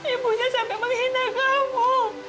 ibunya sampai menghina kamu